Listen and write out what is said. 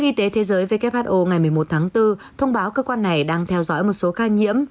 y tế thế giới who ngày một mươi một tháng bốn thông báo cơ quan này đang theo dõi một số ca nhiễm